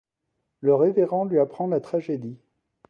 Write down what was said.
Le révérend lui apprend la tragédie.